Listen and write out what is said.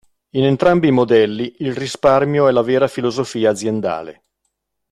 In entrambi i modelli il risparmio è vera filosofia aziendale.